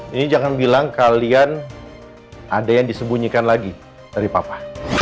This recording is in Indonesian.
ini jangan bilang kalian ada yang disembunyikan lagi dari papa